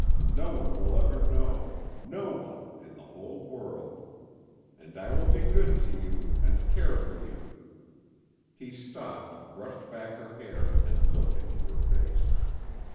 No one will ever know no one in the whole world. And I will be good to you and care for you " He stopped, brushed back her hair, and looked into her face.